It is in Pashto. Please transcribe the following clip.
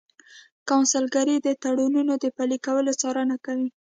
قونسلګرۍ د تړونونو د پلي کولو څارنه کوي